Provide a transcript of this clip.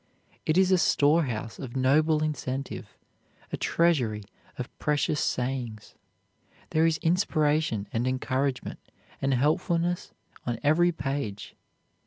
It is a storehouse of noble incentive, a treasury of precious sayings. There is inspiration and encouragement and helpfulness on every page.